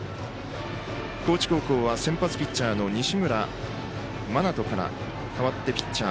高知高校は先発ピッチャーの西村真人から代わってピッチャー